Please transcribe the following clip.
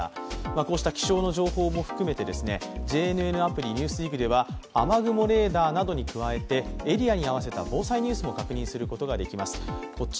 こうした気象の情報も含めてＪＮＮアプリ「ＮＥＷＳＤＩＧ」では雨雲レーダーなどに加えてエリアに合わせた防災ニュースも確認することができます。